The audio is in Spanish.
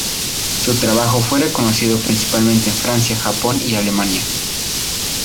Su trabajo fue reconocido principalmente en Francia, Japón y Alemania.